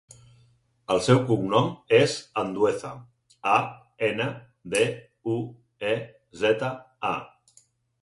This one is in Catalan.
El seu cognom és Andueza: a, ena, de, u, e, zeta, a.